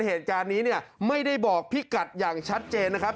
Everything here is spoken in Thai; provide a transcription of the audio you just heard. เหตุการณ์นี้เนี่ยไม่ได้บอกพี่กัดอย่างชัดเจนนะครับ